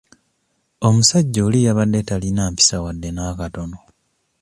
Omusajja oli yabadde talina mpisa wadde n'akatono.